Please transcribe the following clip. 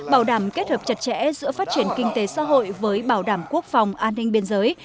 bảo đảm kết hợp chặt chẽ giữa phát triển kinh tế xã hội với bảo đảm quốc phòng an ninh biên giới